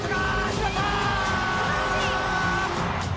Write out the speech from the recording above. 決まった！